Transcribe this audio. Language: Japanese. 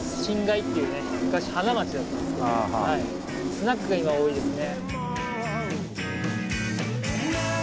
スナックが今は多いですね。